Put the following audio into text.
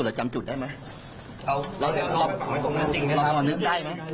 สุดท้ายเธอก้มหน้าก้มตายเงียบไม่พูดไม่ตอบเหมือนเดิมดูบรรยากาศช่วงนี้หน่อยค่ะ